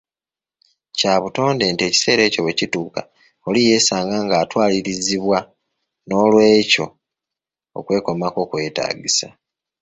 Kya butonde nti ekiseera kyo bwe kituuka oli yeesanga nga atwalirizibbwa, n'olwekyo okwekomako kwetaagisa.